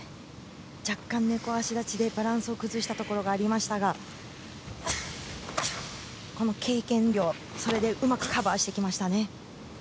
若干、猫足立ちでバランスを崩したところがありましたが経験量でうまくカバーしてきましたね。